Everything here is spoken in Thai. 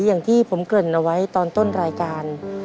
อย่างที่ผมเกริ่นเอาไว้ตอนต้นรายการ